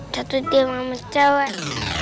satu tim sama sejauh